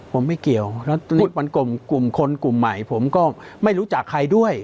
ผมไม่เกี่ยวแล้วมันกลุ่มคนกลุ่มใหม่ผมก็ไม่รู้จักใครด้วย